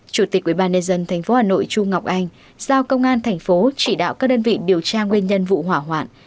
chủ tịch ubnd tp hà nội chu ngọc anh giao công an thành phố chỉ đạo các đơn vị điều tra nguyên nhân vụ hỏa hoạn